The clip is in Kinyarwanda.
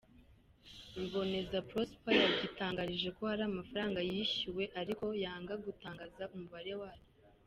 Ruboneza Prosper , yagitangarije ko hari amafaranga yishyuwe ariko yanga gutangaza umubare wayo.